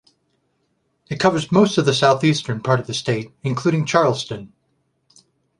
It covers most of the southeastern part of the state, including Charleston.